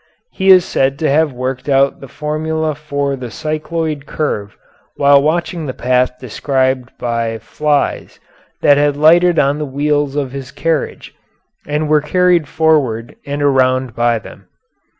He is said to have worked out the formula for the cycloid curve while watching the path described by flies that had lighted on the wheels of his carriage, and were carried forward and around by them.